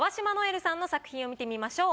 留さんの作品を見てみましょう。